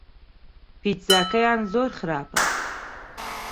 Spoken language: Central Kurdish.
پیتزاکەیان زۆر خراپە.